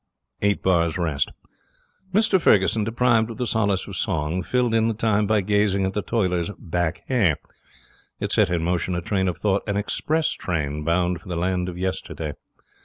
Eight bars rest. Mr Ferguson, deprived of the solace of song, filled in the time by gazing at the toiler's back hair. It set in motion a train of thought an express train bound for the Land of Yesterday.